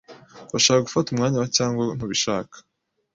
Urashaka gufata umwanya wa cyangwa ntubishaka?